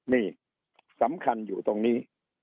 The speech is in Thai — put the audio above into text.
นี่สำคัญอยู่ตรงนี้